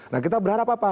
nah kita berharap apa